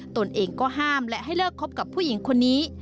ตนเองก็ห้ามและให้เลิกคบกับผู้หญิงคนนี้